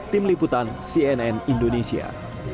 tim liputan cnn indonesia